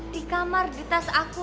di kamar di tas aku